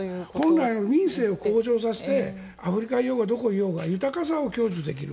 本来、民生を向上させてアフリカにいようがどこにいようが豊かさを享受できる。